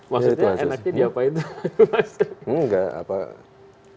maksudnya enaknya diapain